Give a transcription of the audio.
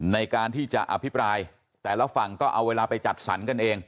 ในการที่จะอภิปรายแต่ละฝั่งก็เอาเวลาไปจัดสรรกันเอง